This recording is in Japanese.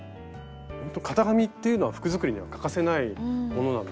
型紙っていうのは服作りには欠かせないものなので。